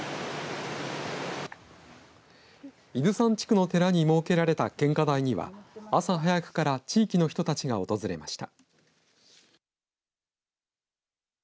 伊豆山地区の寺に設けられた献花台には朝早くから地域の人たちが訪れました。